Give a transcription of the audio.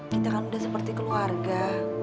kita kan udah seperti keluarga